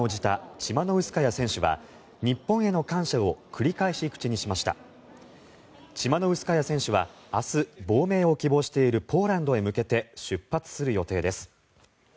チマノウスカヤ選手は明日亡命を希望しているポーランドへ向けて出発する予定です。